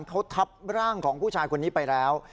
เขาทับร่างของผู้ชายคนนี้ไปแล้ว